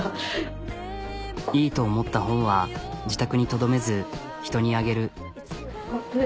いいと思った本は自宅にとどめず人にあげる。